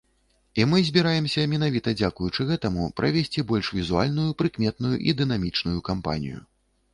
І мы збіраемся менавіта дзякуючы гэтаму правесці больш візуальную, прыкметную і дынамічную кампанію.